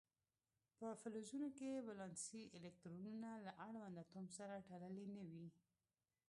په فلزونو کې ولانسي الکترونونه له اړوند اتوم سره تړلي نه وي.